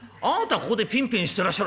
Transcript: ここでピンピンしてらっしゃる。